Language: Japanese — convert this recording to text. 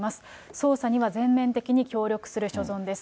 捜査には全面的に協力する所存です。